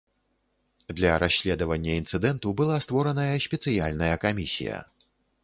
Для расследавання інцыдэнту была створаная спецыяльная камісія.